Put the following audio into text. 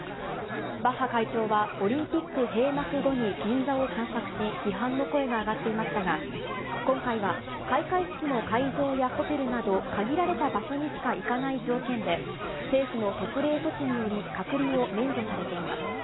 バッハ会長は、オリンピック閉幕後に銀座を散策し、批判の声が上がっていましたが、今回は開会式の会場やホテルなど限られた場所にしか行かない条件で、政府の特例措置により隔離を免除されています。